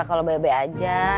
kalo bebe aja